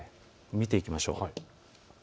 見ていきましょう。